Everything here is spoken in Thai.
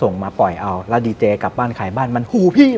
ผมก็เล่าว่ามันเคยมีเว้ย